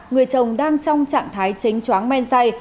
người chồng đang trong trạng thái chính chóng men say